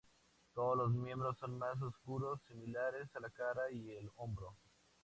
Todos los miembros son más oscuros, similares a la cara y el hombro.